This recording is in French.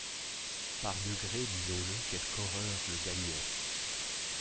Par degré, disons-le, quelque horreur le gagnait.